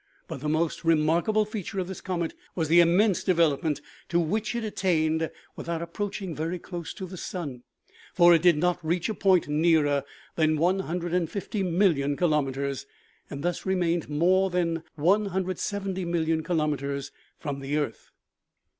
But the most remarkable feature of this comet was the im mense development to which it attained without ap proaching very close to the sun ; for it did not reach a point nearer than 150,000,000 kilometers, and thus remained more than 170,000,000 kilometers from the earth.